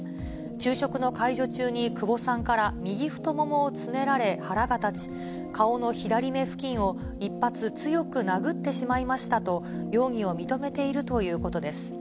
昼食の介助中に久保さんから右太ももをつねられ腹が立ち、顔の左目付近を一発、強く殴ってしまいましたと、容疑を認めているということです。